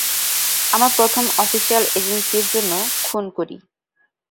আমার প্রথম অফিসিয়াল এজেন্সির জন্য খুন করি।